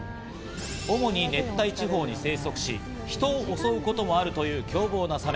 主に熱帯地方に生息し、人を襲うこともあるという凶暴なサメ。